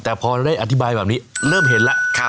แต่พอได้อธิบายแบบนี้เริ่มเห็นแล้ว